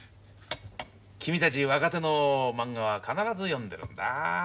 君たち若手のまんがは必ず読んでるんだ。